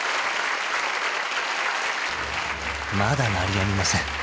［まだ鳴りやみません］